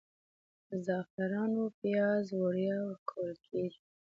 د زعفرانو پیاز وړیا ورکول کیږي؟